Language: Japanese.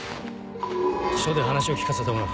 署で話を聞かせてもらう。